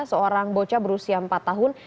seorang bocah berusia empat tahun